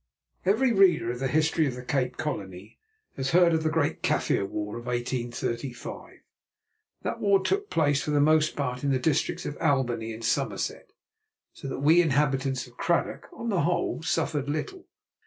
Every reader of the history of the Cape Colony has heard of the great Kaffir War of 1835. That war took place for the most part in the districts of Albany and Somerset, so that we inhabitants of Cradock, on the whole, suffered little.